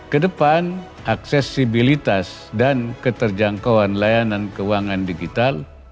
kedepan aksesibilitas dan keterjangkauan layanan keuangan digital